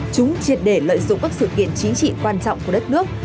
chúng triệt để lợi dụng các sự kiện chính trị quan trọng của đất nước